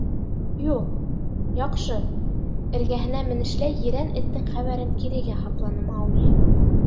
— Юҡ, яҡшы, — эргәһенә менешләй ерән эттең хәбәрен кирегә һапланы Маугли.